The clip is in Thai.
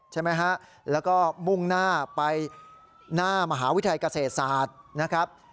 ใช่ไหมฮะแล้วก็มุ่งหน้าไปหน้ามหาวิทยาลัยเกษตรศาสตร์นะครับ